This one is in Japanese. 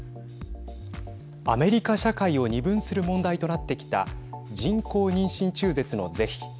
アメリカ社会を二分する問題となってきた人工妊娠中絶の是非。